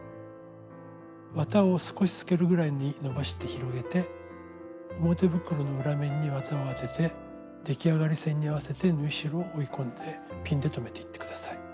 綿を少し透けるぐらいにのばして広げて表袋の裏面に綿を当てて出来上がり線に合わせて縫い代を折り込んでピンで留めていって下さい。